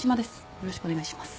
よろしくお願いします。